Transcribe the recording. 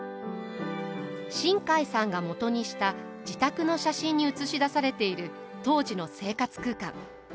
新海さんがもとにした自宅の写真に写し出されている当時の生活空間。